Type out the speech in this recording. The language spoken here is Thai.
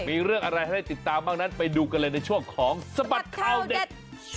มีเรื่องอะไรให้ได้ติดตามบ้างนั้นไปดูกันเลยในช่วงของสบัดข่าวเด็ก